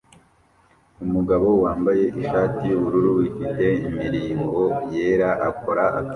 Umugabo wambaye ishati yubururu ifite imirongo yera akora akazi